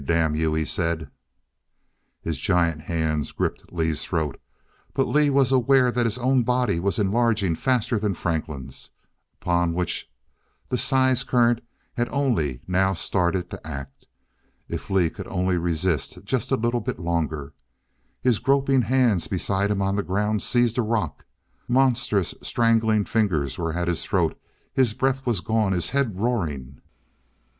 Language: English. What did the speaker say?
Damn you," he said. His giant hands gripped Lee's throat, but Lee was aware that his own body was enlarging faster than Franklin's, upon which the size current had only now started to act. If Lee could only resist just a little bit longer! His groping hands beside him on the ground seized a rock. Monstrous strangling fingers were at this throat his breath was gone, his head roaring.